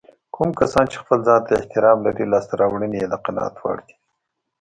کوم کسان چې خپل ځانته احترام لري لاسته راوړنې يې د قناعت وړ وي.